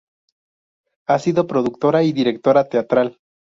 Ha sido productora y directora teatral.